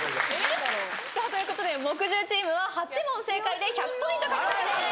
さあということで木１０チームは８問正解で１００ポイント獲得です。